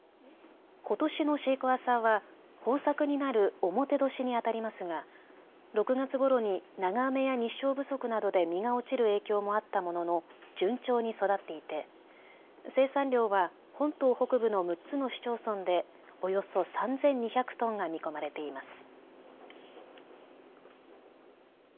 ことしのシークヮーサーは豊作になる表年に当たりますが６月ごろに長雨や日照不足などで実が落ちる影響もあったものの順調に育っていて、生産量は本島北部の６つの市町村でおよそ３２００トンが見込まれています。